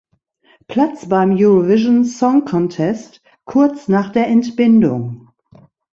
Platz beim Eurovision Song Contest, kurz nach der Entbindung.